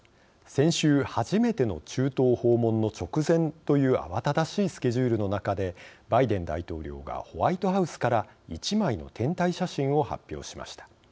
先週初めての中東訪問の直前という慌ただしいスケジュールの中でバイデン大統領がホワイトハウスから１枚の天体写真を発表しました。